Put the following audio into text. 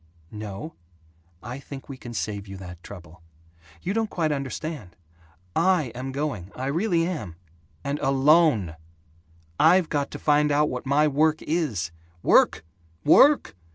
"No, I think we can save you that trouble. You don't quite understand. I am going I really am and alone! I've got to find out what my work is " "Work? Work?